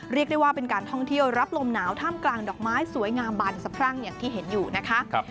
เรียกได้ว่าเป็นการท่องเที่ยวรับลมหนาวท่ามกลางดอกไม้สวยงามบานสะพรั่งอย่างที่เห็นอยู่นะคะ